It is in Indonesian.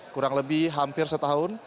kurang lebih hampir setahun